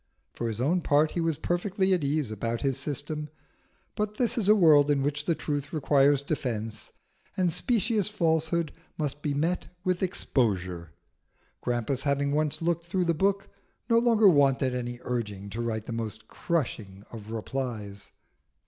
For his own part he was perfectly at ease about his system; but this is a world in which the truth requires defence, and specious falsehood must be met with exposure. Grampus having once looked through the book, no longer wanted any urging to write the most crushing of replies.